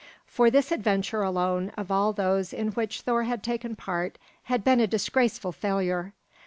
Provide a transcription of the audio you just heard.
For this adventure alone of all those in which Thor had taken part had been a disgraceful failure.